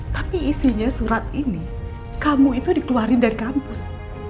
tapi isinya surat ini kamu itu dikeluarin dari kampus